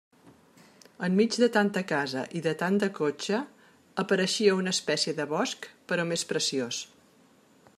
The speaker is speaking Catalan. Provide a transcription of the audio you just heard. Enmig de tanta casa i de tant de cotxe, apareixia una espècie de bosc però més preciós.